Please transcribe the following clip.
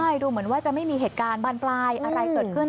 ใช่ดูเหมือนว่าจะไม่มีเหตุการณ์บานปลายอะไรเกิดขึ้น